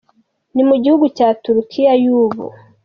Ni mu gihugu cya Turquie y’ubu.